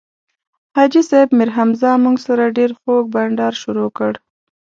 حاجي صیب میرحمزه موږ سره ډېر خوږ بنډار شروع کړ.